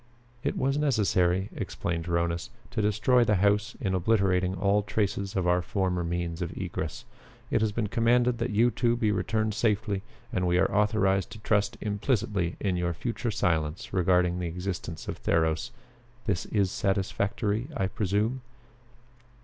"It was necessary," explained Rhonus, "to destroy the house in obliterating all traces of our former means of egress. It has been commanded that you two be returned safely, and we are authorized to trust implicitly in your future silence regarding the existence of Theros. This is satisfactory, I presume?"